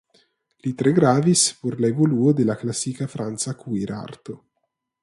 Li tre gravis por la evoluo de la klasika franca kuirarto.